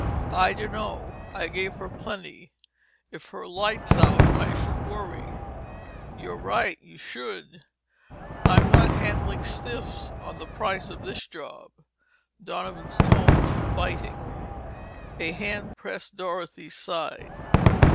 "I dunno. I gave her plenty. If her light's out, I should worry." "You're right, you should. I'm not handling stiffs on the price of this job." Donovan's tone was biting. A hand pressed Dorothy's side.